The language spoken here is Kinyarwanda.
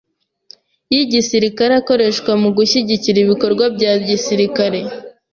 y igisirikare akoreshwa mu gushyigikira ibikorwa bya gisirikare